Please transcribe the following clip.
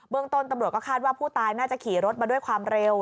เมืองต้นตำรวจก็คาดว่าผู้ตายน่าจะขี่รถมาด้วยความเร็ว